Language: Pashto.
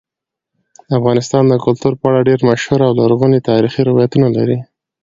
افغانستان د کلتور په اړه ډېر مشهور او لرغوني تاریخی روایتونه لري.